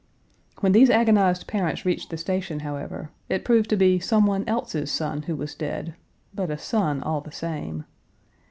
When these agonized parents reached the station, however, it proved to be some one else's son who was dead but a son all the same.